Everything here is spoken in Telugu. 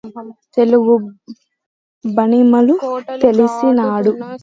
తెలుగు భంగిమములు తెలిపినాడు